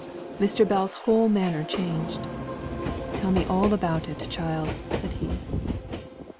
Mr. Bell's whole manner changed. "Tell me all about it, child," said he.